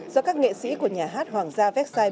do các nghệ sĩ của nhà hát hoàng gia versai